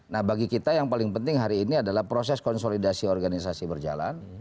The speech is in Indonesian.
nah bagi kita yang paling penting hari ini adalah proses konsolidasi organisasi berjalan